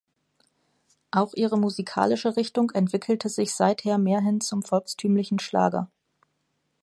Auch ihre musikalische Richtung entwickelte sich seither mehr hin zum volkstümlichen Schlager.